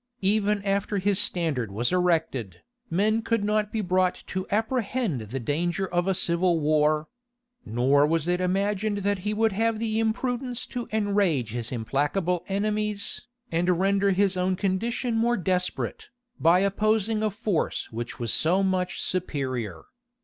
Even after his standard was erected, men could not be brought to apprehend the danger of a civil war; nor was it imagined that he would have the imprudence to enrage his implacable enemies, and render his own condition more desperate, by opposing a force which was so much superior.